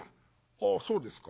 「ああそうですか。